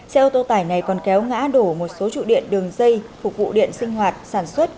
xe ô tô tải này còn kéo ngã đổ một số trụ điện đường dây phục vụ điện sinh hoạt sản xuất